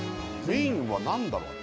メインは何だろう？